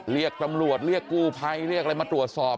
เรียกตำรวจเรียกกู้ภัยเรียกอะไรมาตรวจสอบ